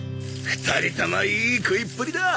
２人ともいい食いっぷりだ。